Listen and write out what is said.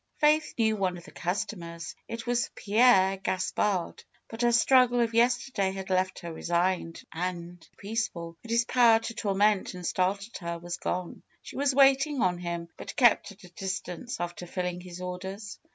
Faith knew one of the customers; it was Pierre Gas pard. But her struggle of yesterday had left her re signed and peaceful, and his power to torment and startle her was gone. She was waiting on him, but kept at a distance after filling his orders.